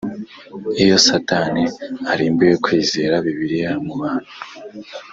iyo satani arimbuye kwizera bibiliya mu bantu,